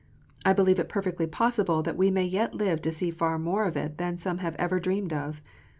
I believe it perfectly possible that we may yet live to see far more of it than some have ever dreamed of.